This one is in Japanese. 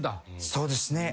そうですね。